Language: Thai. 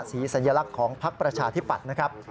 สัญลักษณ์ของพักประชาธิปัตย์นะครับ